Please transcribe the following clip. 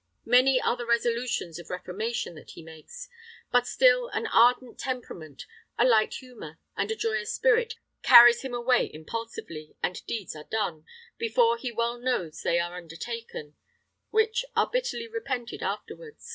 Many are the resolutions of reformation that he makes; but still an ardent temperament, a light humor, and a joyous spirit carries him away impulsively, and deeds are done, before he well knows they are undertaken, which are bitterly repented afterward."